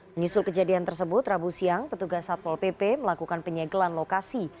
menyusul kejadian tersebut rabu siang petugas satpol pp melakukan penyegelan lokasi